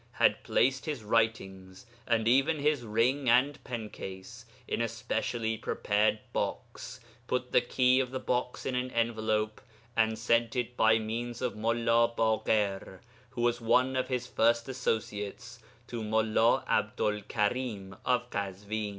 had placed his writings, and even his ring and pen case, in a specially prepared box, put the key of the box in an envelope, and sent it by means of Mullā Baḳir, who was one of his first associates, to Mullā 'Abdu'l Karim of Kazwin.